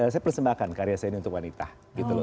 saya persembahkan karya saya ini untuk wanita gitu loh